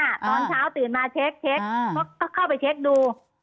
ตอนเช้าตื่นมาเช็คก็เข้าไปเช็คดู